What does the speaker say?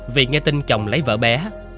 vì nghe tin chồng lấy vợ bé